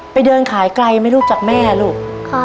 เดินขายไกลไหมลูกจากแม่ลูก